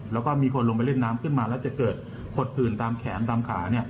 แล้วก็มีคนลงไปเล่นน้ำขึ้นมาแล้วจะเกิดหดผื่นตามแขนตามขา